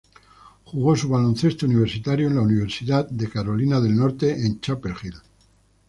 Jugo su baloncesto universitario en la Universidad de Carolina del Norte en Chapel Hill.